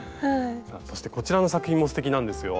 さあそしてこちらの作品もすてきなんですよ。